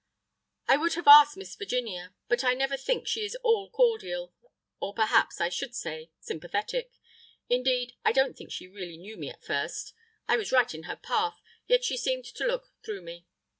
"I would have asked Miss Virginia, but I never think she is at all cordial, or perhaps I should say—sympathetic. Indeed, I don't think she really knew me at first. I was right in her path, yet she seemed to look through me!